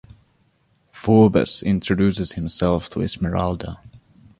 Phoebus introduces himself to Esmeralda.